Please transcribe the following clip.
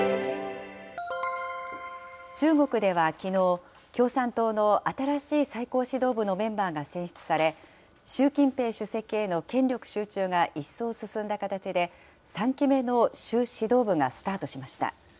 中国ではきのう、共産党の新しい最高指導部のメンバーが選出され、習近平主席への権力集中が一層進んだ形で、３期目の習指導部がスタートしました。